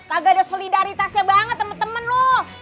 kagak ada solidaritasnya banget temen temen lu